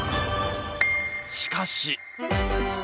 しかし！